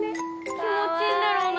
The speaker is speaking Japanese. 気持ちいいんだろうな。